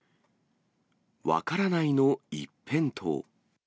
分からないの一辺倒。